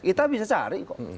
kita bisa cari kok